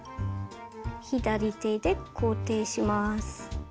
左手で固定します。